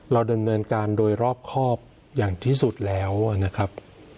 เราดำเนินการโดยรอบครอบอย่างที่สุดแล้วนะครับ